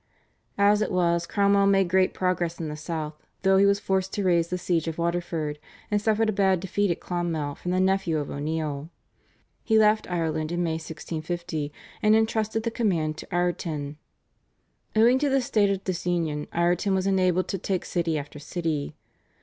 As it was, Cromwell made great progress in the South, though he was forced to raise the siege of Waterford, and suffered a bad defeat at Clonmel from the nephew of O'Neill. He left Ireland in May 1650, and entrusted the command to Ireton. Owing to the state of disunion Ireton was enabled to take city after city.